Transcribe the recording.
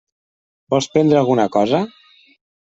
Vols prendre alguna cosa?